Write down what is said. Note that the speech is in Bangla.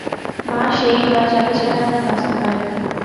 মা সেই হয় যাকে ছাড়া আমরা বাঁচতে পারি না।